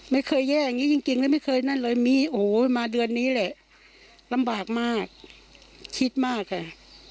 ไม่เคยแย่อย่างนี้จริงเลยไม่เคยนั่นเลยมีโอ้โหมาเดือนนี้แหละลำบากมากคิดมากค่ะ